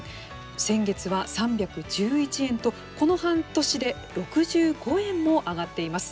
先月は３１１円と、この半年で６５円も上がっています。